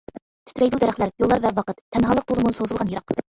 تىترەيدۇ دەرەخلەر، يوللار ۋە ۋاقىت، تەنھالىق تولىمۇ سوزۇلغان يىراق.